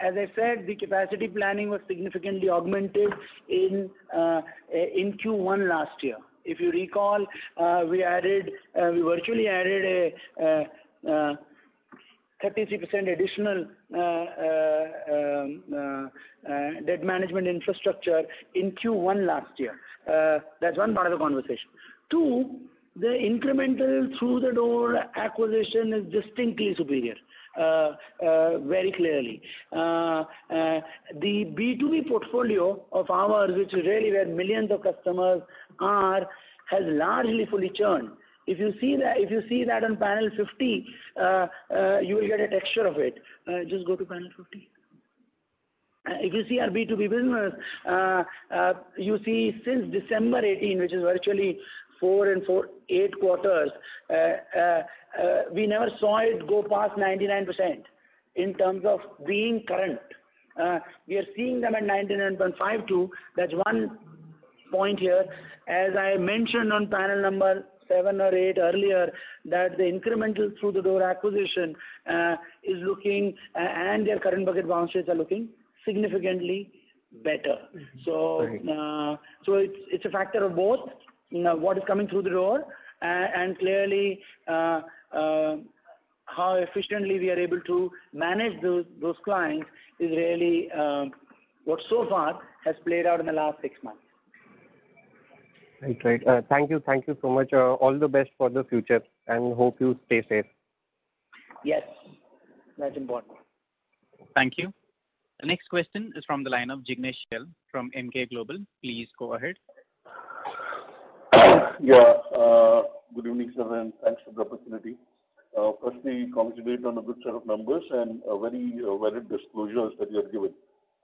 as I said, the capacity planning was significantly augmented in Q1 last year. If you recall, we virtually added a 33% additional debt management infrastructure in Q1 last year. That's one part of the conversation. Two, the incremental through-the-door acquisition is distinctly superior, very clearly. The B2B portfolio of ours, which really where millions of customers are, has largely fully churned. If you see that on panel 50, you will get a texture of it. Just go to panel 50. If you see our B2B business, you see since December 18, which is virtually eight quarters, we never saw it go past 99% in terms of being current. We are seeing them at 99.52%. That's one point here. As I mentioned on panel seven or eight earlier, that the incremental through-the-door acquisition and their current bucket balance sheets are looking significantly better. Right. It's a factor of both, what is coming through the door, and clearly, how efficiently we are able to manage those clients is really what so far has played out in the last six months. Right. Thank you so much. All the best for the future, and hope you stay safe. Yes. That's important. Thank you. The next question is from the line of Jignesh Shial from Emkay Global. Please go ahead. Yeah. Good evening, sir, thanks for the opportunity. Firstly, congratulate on a good set of numbers and very valid disclosures that you have given.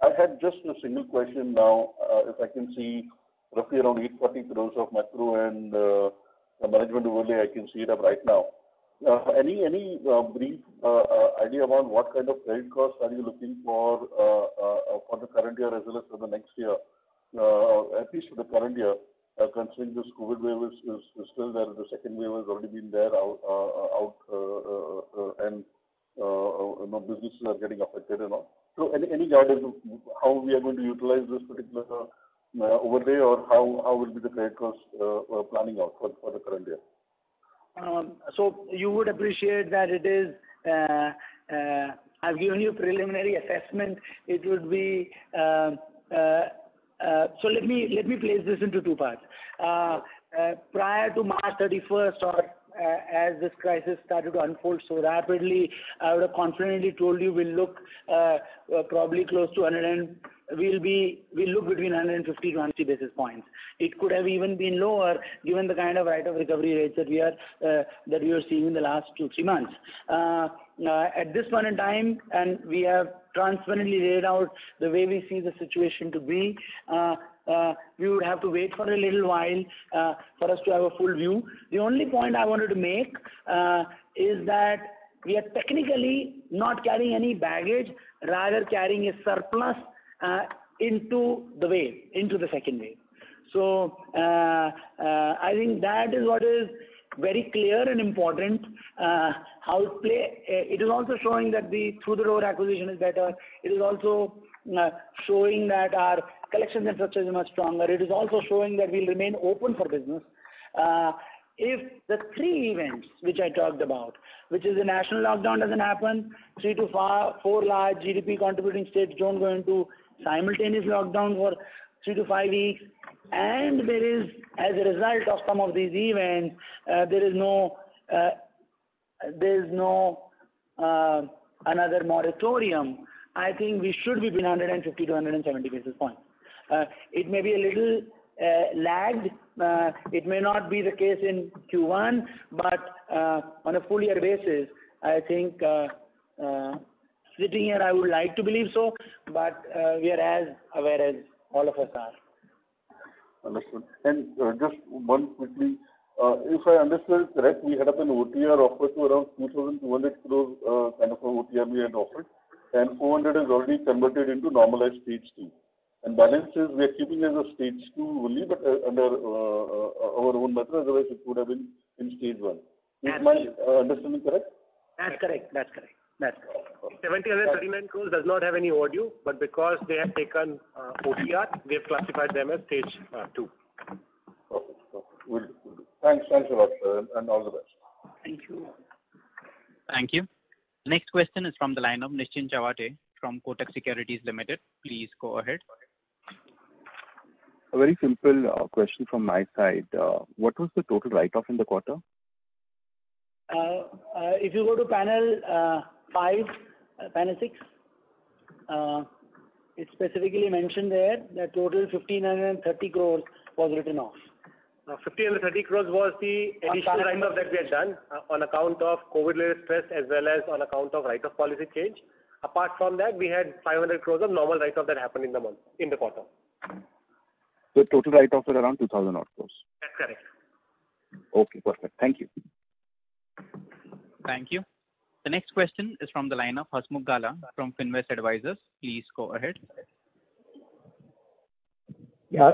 I had just a single question now. If I can see roughly around 840 crores of macro and management overlay, I can see it up right now. Any brief idea about what kind of credit costs are you looking for the current year as well as for the next year? At least for the current year, considering this COVID wave is still there, the second wave has already been there, and businesses are getting affected and all. Any guidance of how we are going to utilize this particular overlay, or how will be the credit cost planning out for the current year? You would appreciate that I've given you a preliminary assessment. Let me place this into two parts. Prior to March 31st, or as this crisis started to unfold so rapidly, I would've confidently told you we'll look between 150 to 100 basis points. It could have even been lower given the kind of rate of recovery rates that we are seeing in the last two, three months. At this point in time, we have transparently laid out the way we see the situation to be, you would have to wait for a little while for us to have a full view. The only point I wanted to make is that we are technically not carrying any baggage, rather carrying a surplus into the second wave. I think that is what is very clear and important. It is also showing that the through-the-door acquisition is better. It is also showing that our collections infrastructure is much stronger. It is also showing that we remain open for business. If the three events which I talked about, which is a national lockdown doesn't happen, three to four large GDP-contributing states don't go into simultaneous lockdown for three to five weeks, and there is, as a result of some of these events, there is no other moratorium, I think we should be between 150-170 basis points. It may be a little lagged. It may not be the case in Q1, but on a full year basis, I think sitting here, I would like to believe so, but we are as aware as all of us are. Understood. Just one quickly. If I understand correct, we had up an OTR offer to around 2,200 crore kind of an OTR we had offered. 400 crore is already converted into normalized stage II. Balances we are keeping as a stage II only, but under our own method, otherwise, it would have been in stage I. Absolutely. Is my understanding correct? That's correct. 7,039 crore does not have any overdue, but because they have taken OTR, we have classified them as stage II. Okay. Good. Thanks a lot, and all the best. Thank you. Thank you. Next question is from the line of Nischint Chawathe from Kotak Securities Limited. Please go ahead. A very simple question from my side. What was the total write-off in the quarter? If you go to panel six, it's specifically mentioned there that total 1,530 crores was written off. 1,530 crores was the additional write-off that we had done on account of COVID-related stress as well as on account of write-off policy change. Apart from that, we had 500 crores of normal write-off that happened in the quarter. Total write-off was around 2,000 odd crore. That's correct. Okay, perfect. Thank you. Thank you. The next question is from the line of Hasmukh Gala from Finvest Advisors. Please go ahead. Yeah.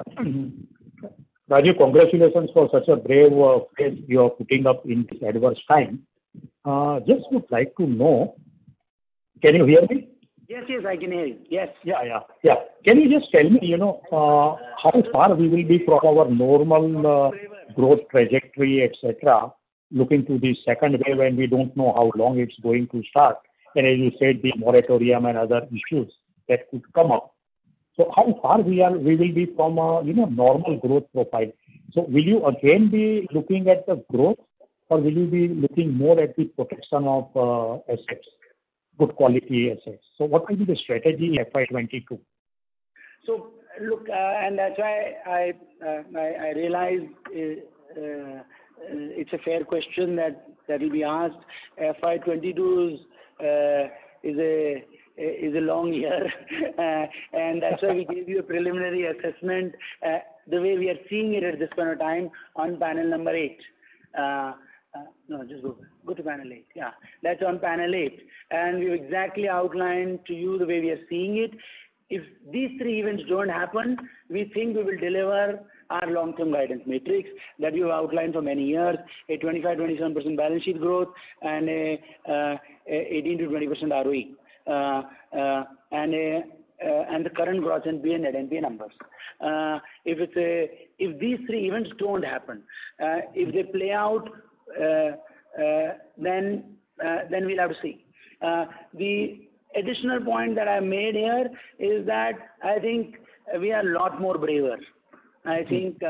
Rajeev, congratulations for such a brave face you are putting up in this adverse time. Just would like to know, can you hear me? Yes, I can hear you. Yes. Can you just tell me how far we will be from our normal growth trajectory, et cetera, looking to the second wave and we don't know how long it's going to start, and as you said, the moratorium and other issues that could come up. How far we will be from a normal growth profile? Will you again be looking at the growth or will you be looking more at the protection of assets, good quality assets? What will be the strategy in FY 2022? Look, and that's why I realize it's a fair question that will be asked. FY 2022 is a long year, and that's why we gave you a preliminary assessment the way we are seeing it at this point of time on panel number eight. No, just go. Go to panel eight. Yeah. That's on panel eight. We've exactly outlined to you the way we are seeing it. If these three events don't happen, we think we will deliver our long-term guidance metrics that we've outlined for many years, a 25%-27% balance sheet growth and a 18%-20% ROE. The current growth in NPA and NPA numbers. If these three events don't happen. If they play out, then we'll have to see. The additional point that I made here is that I think we are a lot more braver. I think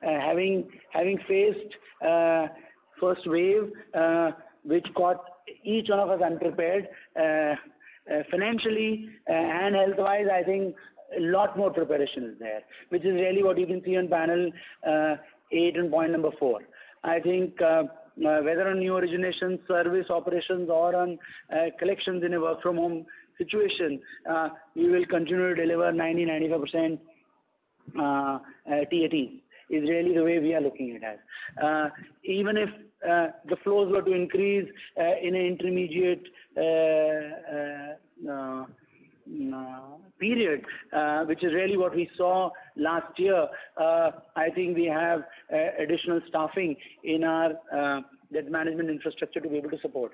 having faced first wave, which caught each one of us unprepared financially and health-wise, I think a lot more preparation is there, which is really what you can see on panel eight in point number four. I think whether on new originations, service operations, or on collections in a work-from-home situation, we will continue to deliver 90%, 95% TAT is really the way we are looking it as. Even if the flows were to increase in an intermediate period, which is really what we saw last year, I think we have additional staffing in our debt management infrastructure to be able to support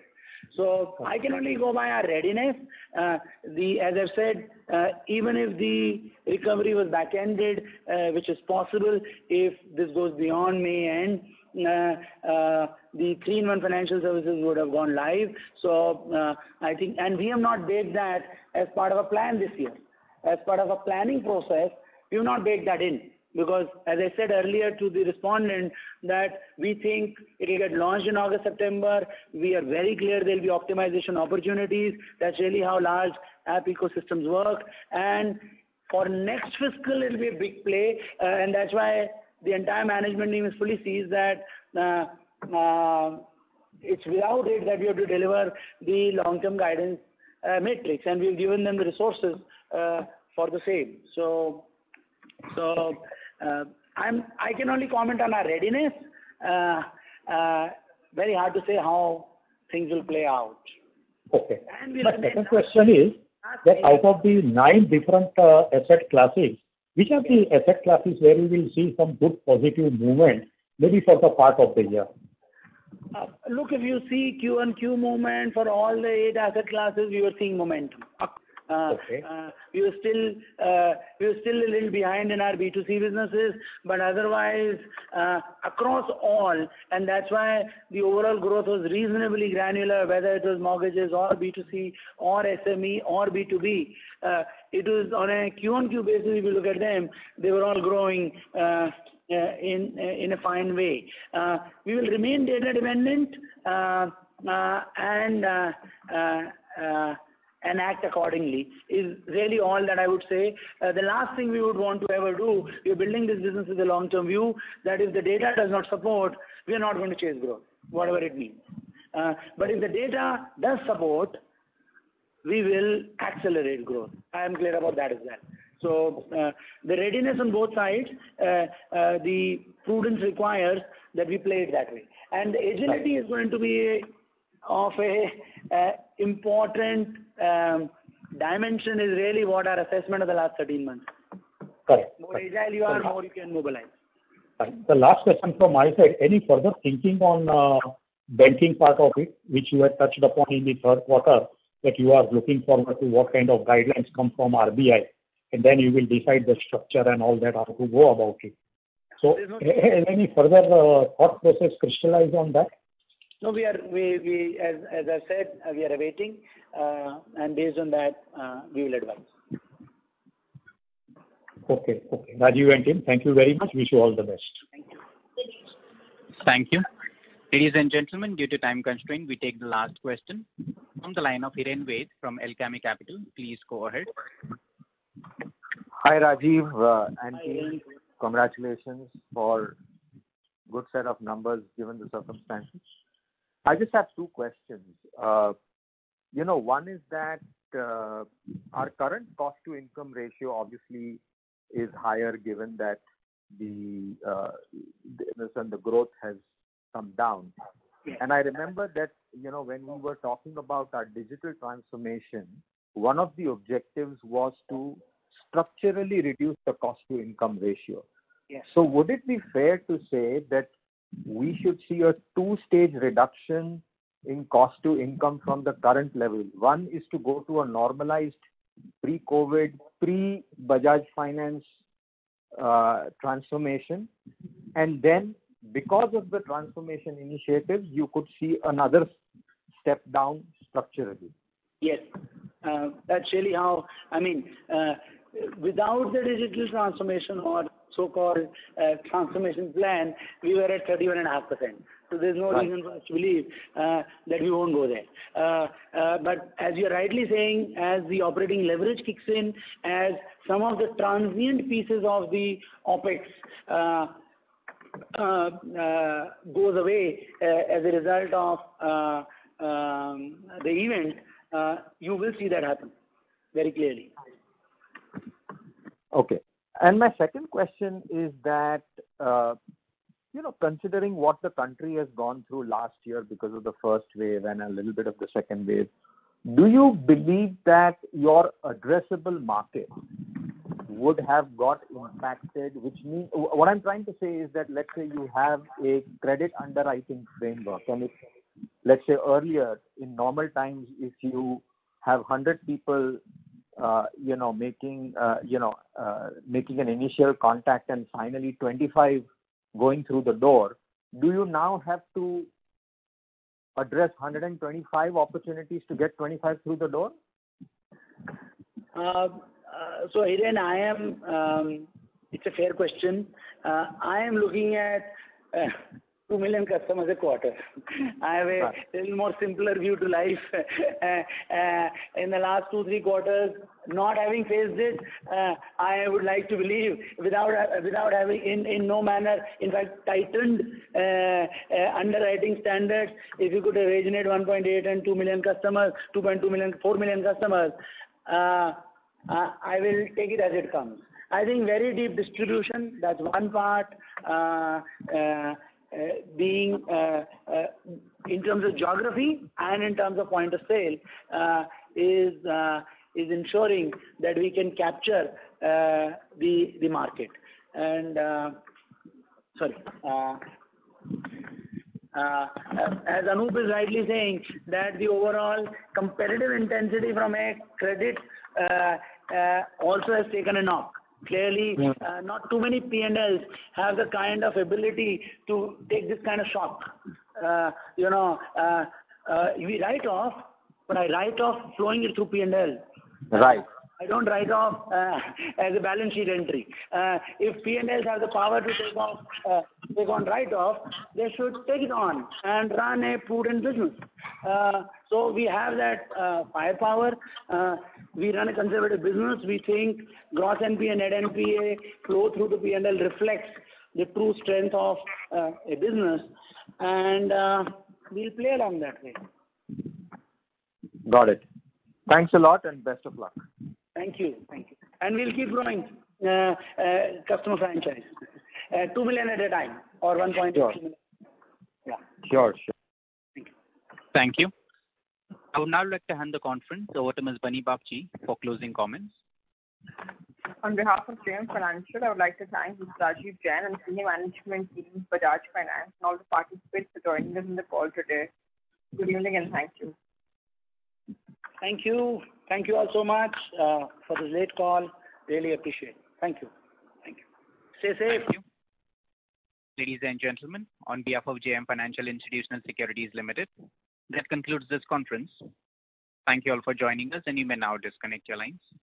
it. So I can only go by our readiness. As I've said, even if the recovery was back-ended, which is possible if this goes beyond May end, Bajaj Financial Securities would have gone live. We have not baked that as part of our plan this year. As part of our planning process, we've not baked that in because as I said earlier to the respondent, that we think it'll get launched in August, September. We are very clear there'll be optimization opportunities. That's really how large app ecosystems work. For next fiscal, it'll be a big play, and that's why the entire management team is fully seized that it's without it that we have to deliver the long-term guidance metrics, and we've given them the resources for the same. I can only comment on our readiness. Very hard to say how things will play out. Okay. And we are. My second question is that out of the nine different asset classes, which are the asset classes where we will see some good positive movement, maybe for the part of the year? Look, if you see Q-on-Q movement for all the eight asset classes, we were seeing momentum up. Okay. We are still a little behind in our B2C businesses, but otherwise, across all, and that's why the overall growth was reasonably granular, whether it was mortgages or B2C or SME or B2B. It was on a Q-on-Q basis, if you look at them, they were all growing in a fine way. We will remain data dependent and act accordingly, is really all that I would say. The last thing we would want to ever do, we are building this business with a long-term view, that if the data does not support, we are not going to chase growth, whatever it means. If the data does support, we will accelerate growth. I am clear about that as well. The readiness on both sides, the prudence requires that we play it that way. The agility is going to be of a important dimension is really what our assessment of the last 13 months. Correct. More agile you are, more you can mobilize. Right. The last question from my side, any further thinking on banking part of it, which you had touched upon in the third quarter, that you are looking forward to what kind of guidelines come from RBI, and then you will decide the structure and all that, how to go about it. Any further thought process crystallize on that? No, as I said, we are awaiting, and based on that, we will advise. Okay. Rajeev and team, thank you very much. Wish you all the best. Thank you. Thank you. Ladies and gentlemen, due to time constraint, we take the last question. From the line of Hiren Ved from Alchemy Capital. Please go ahead. Hi, Rajeev and team. Hi Hiren. Congratulations for good set of numbers given the circumstances. I just have two questions. One is that our current cost-to-income ratio obviously is higher given that the growth has come down. Yes. I remember that when we were talking about our digital transformation, one of the objectives was to structurally reduce the cost-to-income ratio. Yes. Would it be fair to say that we should see a two stage reduction in cost to income from the current level? One is to go to a normalized pre-COVID, pre-Bajaj Finance transformation, and then because of the transformation initiatives, you could see another step down structurally. Yes. That's really how, I mean without the digital transformation or so-called transformation plan, we were at 31.5%. There's no reason for us to believe that we won't go there. As you're rightly saying, as the operating leverage kicks in, as some of the transient pieces of the OpEx goes away as a result of the event, you will see that happen very clearly. Okay. My second question is that, considering what the country has gone through last year because of the first wave and a little bit of the second wave, do you believe that your addressable market would have got impacted? What I'm trying to say is that, let's say you have a credit underwriting framework, and let's say earlier, in normal times, if you have 100 people making an initial contact and finally 25 going through the door, do you now have to address 125 opportunities to get 25 through the door? Hiren, it's a fair question. I am looking at 2 million customers a quarter. I have a little more simpler view to life. In the last two, three quarters, not having faced this, I would like to believe, in no manner, in fact, tightened underwriting standards, if you could originate 1.8 million and 2 million customers, 2.2 million, 4 million customers, I will take it as it comes. I think very deep distribution, that's one part, being in terms of geography and in terms of point of sale, is ensuring that we can capture the market. Sorry. As Anup is rightly saying that the overall competitive intensity from a credit also has taken a knock. Clearly, not too many P&Ls have the kind of ability to take this kind of shock. We write off, but I write off flowing it through P&L. Right. I don't write-off as a balance sheet entry. If P&Ls have the power to take on write-off, they should take it on and run a prudent business. We have that firepower. We run a conservative business. We think gross NPA, net NPA flow through the P&L reflects the true strength of a business, and we'll play along that way. Got it. Thanks a lot. Best of luck. Thank you. Thank you. We'll keep growing customer franchise. 2 million at a time, or 1.2 million. Sure. Yeah. Sure. Thank you. Thank you. I would now like to hand the conference over to Ms. Bunny Babjee for closing comments. On behalf of JM Financial, I would like to thank Mr. Rajeev Jain and senior management team, Bajaj Finance, and all the participants for joining us on the call today. Good evening and thank you. Thank you. Thank you all so much for this late call. Really appreciate it. Thank you. Thank you. Stay safe. Thank you. Ladies and gentlemen, on behalf of JM Financial Institutional Securities Limited, that concludes this conference. Thank you all for joining us, and you may now disconnect your lines.